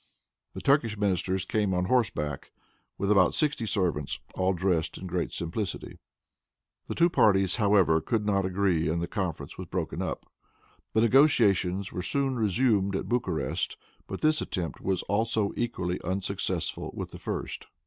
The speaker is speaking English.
The Turkish ministers came on horseback, with about sixty servants, all dressed in great simplicity. The two parties, however, could not agree, and the conference was broken up. The negotiations were soon resumed at Bucharest, but this attempt was also equally unsuccessful with the first.